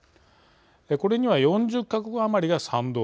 これには４０か国余りが賛同。